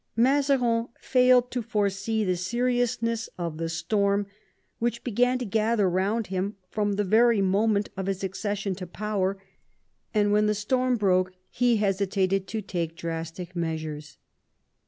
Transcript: Mazarin failed to foresee the seriousness of the storm which began to gather round him from the very moment of his accession to power ; and when the storm broke he VI THE OLOSE OF THE FRONDE 116 hesitated to take drastic measures.